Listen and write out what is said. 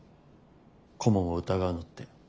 顧問を疑うのって。